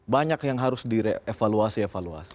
banyak yang harus direvaluasi evaluasi